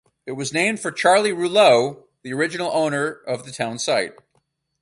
It was named for Charlie Rouleau, the original owner of the town site.